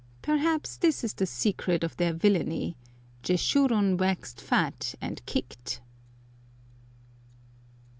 Perhaps this is the secret of their villainy—"Jeshurun waxed fat and kicked."